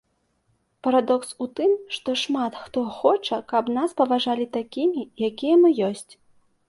Парадокс у тым, што шмат хто хоча, каб нас паважалі такімі, якія мы ёсць.